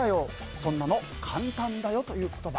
「そんなの簡単だよ！」という言葉。